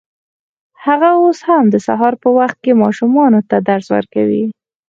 هغه اوس هم د سهار په وخت کې ماشومانو ته درس ورکوي